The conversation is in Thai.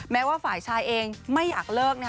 แม้ว่าฝ่ายชายเองไม่อยากเลิกนะคะ